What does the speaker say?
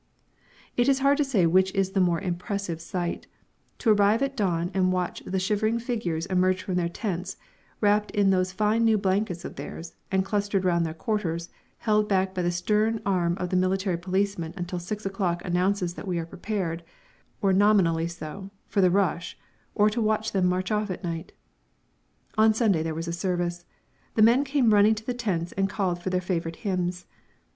It is hard to say which is the more impressive sight: to arrive at dawn and watch the shivering figures emerge from their tents, wrapped in those fine new blankets of theirs, and cluster round our quarters, held back by the stern arm of the military policeman until six o'clock announces that we are prepared or nominally so for the rush; or to watch them march off at night. On Sunday there was a service. The men came running to the tents and called for their favourite hymns.